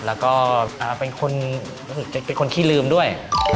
แล้วก็เป็นคนขี้ลืมด้วย